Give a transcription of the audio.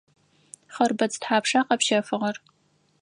Хъырбыдз тхьапша къэпщэфыгъэр?